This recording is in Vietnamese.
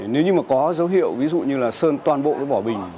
nếu như mà có dấu hiệu ví dụ như là sơn toàn bộ cái vỏ bình